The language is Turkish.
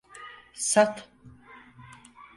Sat!